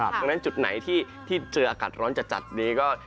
ดังนั้นจุดไหนที่เจออากาศร้อนจัดนี้ก็